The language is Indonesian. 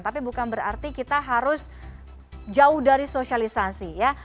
tapi bukan berarti kita harus jauh dari sosialisasi ya